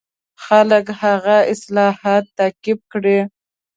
خلک هغه اصلاحات تعقیب کړي.